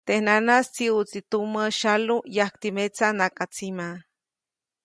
Teʼ ʼäj nanaʼis tsiʼutsi tumä syalu yajkti metsa nakatsima.